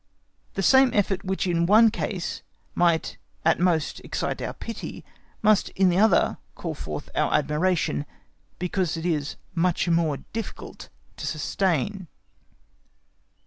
The same effort which in the one case might at most excite our pity must in the other call forth our admiration, because it is much more difficult to sustain.